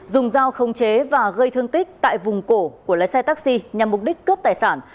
dùng dao không chế và gây thương tích tại vùng cổ của lái xe taxi nhằm mục đích cướp tài sản